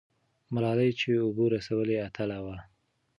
ملالۍ چې اوبه رسولې، اتله وه.